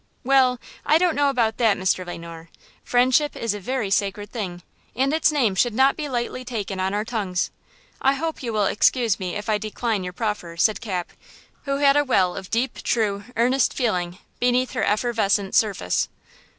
"Well, I don't know about that, Mr. Le Noir. Friendship is a very sacred thing, and its name should not be lightly taken on our tongues. I hope you will excuse me if I decline your proffer," said Cap, who had a well of deep, true, earnest feeling beneath her effervescent surface.